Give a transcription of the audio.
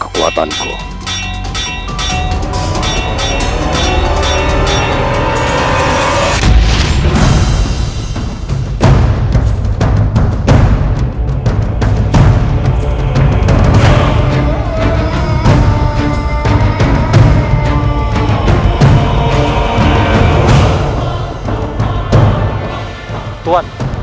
dan bisa menholani